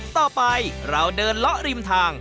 ต่อไปเราเดินเลาะริมทาง